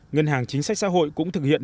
ngân hàng chính sách xã hội cũng thực hiện